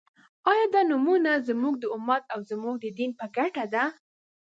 آیا دا نومؤنه زموږ د امت او زموږ د دین په ګټه ده؟